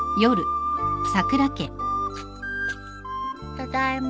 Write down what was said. ただいま。